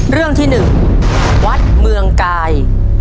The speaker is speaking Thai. เรื่องที่๑วัดเมืองกาย